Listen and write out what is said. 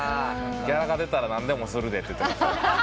「ギャラが出たら何でもするで」と言ってました。